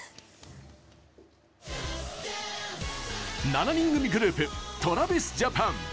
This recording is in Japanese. ７人組グループＴｒａｖｉｓＪａｐａｎ。